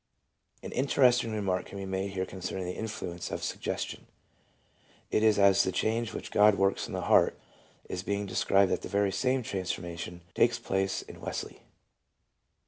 An interesting remark can be made here concerning the influence of suggestion : it is as the change which God works in the heart is being de scribed that the very same transformation takes place in Wesley.